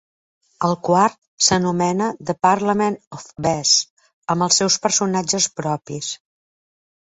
El quart s'anomena "The Parliament of Bees", amb els seus personatges propis.